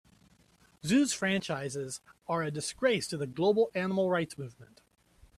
Zoos franchises are a disgrace to the global animal rights movement.